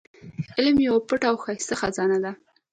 علم يوه پټه او ښايسته خزانه ده.